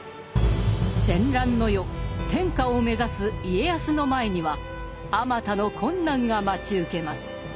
戦乱の世天下を目指す家康の前にはあまたの困難が待ち受けます。